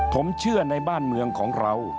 ผมเชื่อในบ้านเมืองของเรา